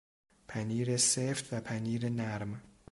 پنیر سفت و پنیر نرم